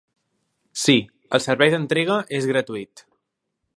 Sí, el servei d'entrega és gratuït.